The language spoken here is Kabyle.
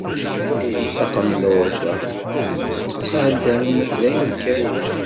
Taqendurt-a tqadd-am dayen kan!